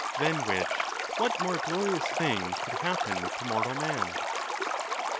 —than which what more glorious thing could happen to mortal man ?